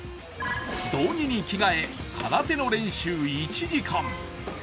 胴着に着替え、空手の練習１時間。